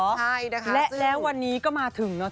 ใช่นะคะและแล้ววันนี้ก็มาถึงเนอะ